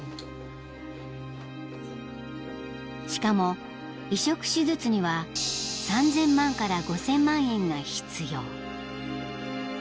［しかも移植手術には３，０００万から５，０００万円が必要］